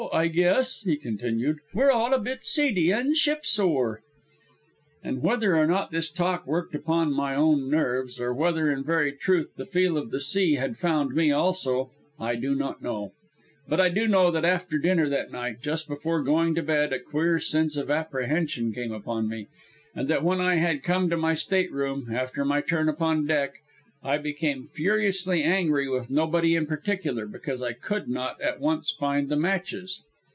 I guess," he continued, "we're all a bit seedy and ship sore." And whether or not this talk worked upon my own nerves, or whether in very truth the Feel of the Sea had found me also, I do not know; but I do know that after dinner that night, just before going to bed, a queer sense of apprehension came upon me, and that when I had come to my stateroom, after my turn upon deck, I became furiously angry with nobody in particular, because I could not at once find the matches.